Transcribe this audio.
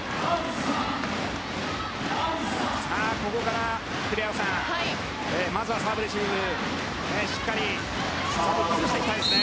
ここから、栗原さんまずはサーブレシーブしっかりと崩していきたいですね。